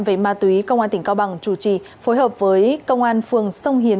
về ma túy công an tỉnh cao bằng chủ trì phối hợp với công an phường sông hiền